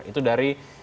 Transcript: itu dari miftah